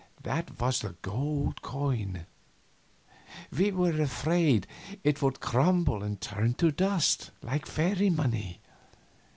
That was the gold coin; we were afraid it would crumble and turn to dust, like fairy money.